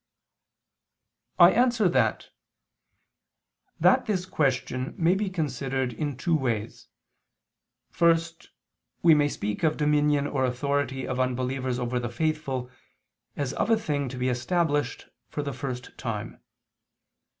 I answer that, That this question may be considered in two ways. First, we may speak of dominion or authority of unbelievers over the faithful as of a thing to be established for the first time.